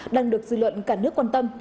đang được dự luận cả nước quan tâm